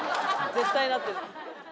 絶対なってる。